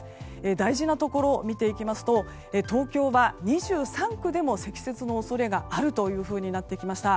大事なところを見ていきますと東京は、２３区でも積雪の恐れがあるというふうになってきました。